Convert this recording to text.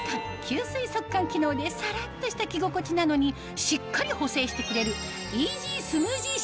吸水速乾機能でさらっとした着心地なのにしっかり補整してくれるイージースムージー